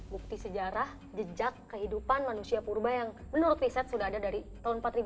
bukti sejarah jejak kehidupan manusia purba yang menurut riset sudah ada dari tahun empat ribu sampai enam ribu ya mas ya